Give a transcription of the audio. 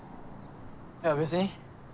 いや別に。